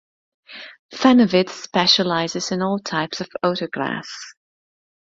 Fanavid specializes in all types of auto glass.